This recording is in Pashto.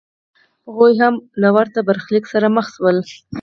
هغوی هم له ورته برخلیک سره مخ شول